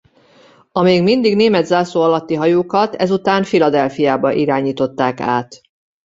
A még mindig német zászló alatti hajókat ezután Philadelphiába irányították át.